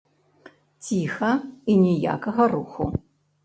Ціха, і ніякага руху.